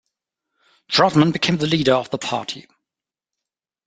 Trotman became the leader of the party.